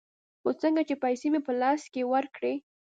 خو څنگه چې پيسې مې په لاس کښې ورکړې.